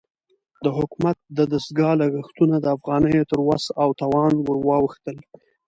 د حکومت د دستګاه لګښتونه د افغانیو تر وس او توان ورواوښتل.